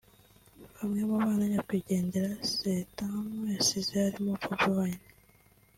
Bamwe mu bana nyakwigendera Ssentamu yasize harimo Bobi Wine